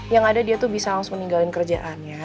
yang ada dia tuh bisa langsung ninggalin kerjaannya